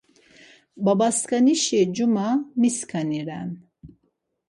Babaskanişi cuma miskani ren?